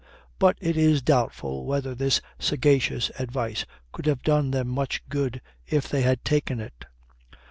But it is doubtful whether this sagacious advice could have done them much good if they had taken it.